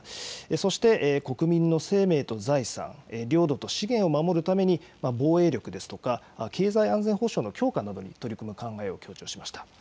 そして国民の生命と財産、領土と資源を守るために、防衛力ですとか、経済安全保障の強化などに取り組む考えを強調しました。